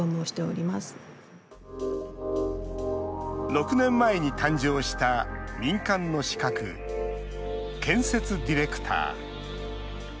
６年前に誕生した民間の資格、建設ディレクター。